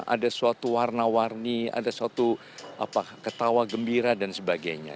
ada suatu warna warni ada suatu ketawa gembira dan sebagainya